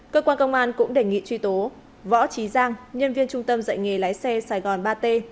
cơ quan công an cũng đề nghị truy tố võ trí giang nhân viên trung tâm dạy nghề lái xe sài gòn ba t